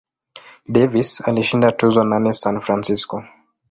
Davis alishinda tuzo nane San Francisco.